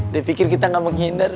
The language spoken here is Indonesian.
dia pikir kita gak mau ngindar